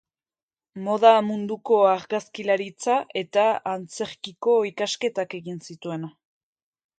Moda munduko argazkilaritza eta antzerkiko ikasketak egin zituen.